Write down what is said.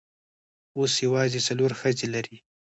اوس یوازې څلور ښځې لري.